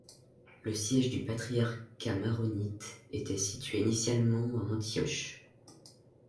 Le siège du Patriarcat maronite était situé initialement à Antioche.